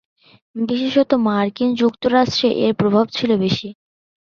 বিশেষত মার্কিন যুক্তরাষ্ট্রে এর প্রভাব ছিল বেশি।